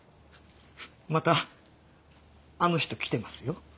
またあの人来てますよ。